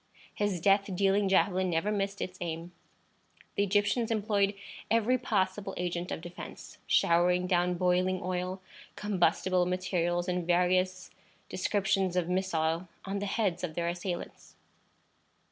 His death dealing javelin never missed its aim. The Egyptians employed every possible agent of defence, showering down boiling oil, combustible materials, and various descriptions of missile, on the heads of their assailants.